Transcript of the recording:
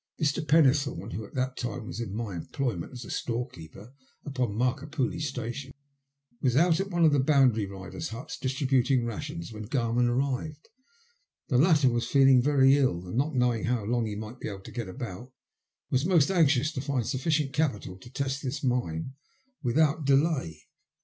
Mr. Pennethome, who at that time was in my employment as storekeeper upon Markapurlie Station, was out at one of the boundary riders' huts distributing rations when Garman arrived. The latter was feeling very ill, and not knowing how long he might be able to get about, was most anxious to find sufficient capital to test this mine without J MT CHANCE IN LIFB. 99 delay.